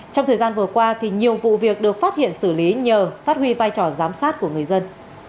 trong thời gian vừa qua nhiều vụ việc được phát hiện xử lý nhờ phát huy vai trò giám sát của người dân